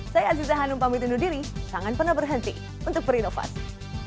saya aziza hanum pamit undur diri jangan pernah berhenti untuk berinovasi